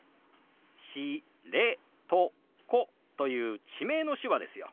「しれとこ」という地名の手話ですよ。